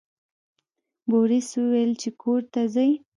بوریس وویل چې کور ته ځئ.